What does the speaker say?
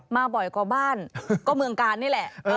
มาบ่อยกว่าบ้านก็เมืองกาลนี่แหละ